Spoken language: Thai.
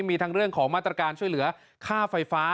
มีทั้งเรื่องของมาตรการช่วยเหลือค่าไฟฟ้า